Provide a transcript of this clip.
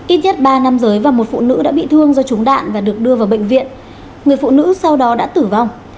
ít nhất ba nam giới và một phụ nữ đã bị thương do trúng đạn và được đưa vào bệnh viện người phụ nữ sau đó đã tử vong